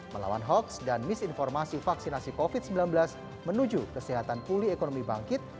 melawan hoaks dan misinformasi vaksinasi covid sembilan belas menuju kesehatan pulih ekonomi bangkit